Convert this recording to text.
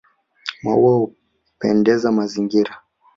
Maua hupendezesha mazingira